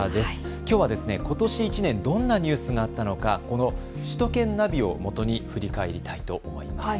きょうはことし１年、どんなニュースがあったのかこの首都圏ナビをもとに振り返りたいと思います。